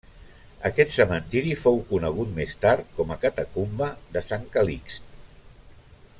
Aquest cementiri fou conegut més tard com a catacumba de Sant Calixt.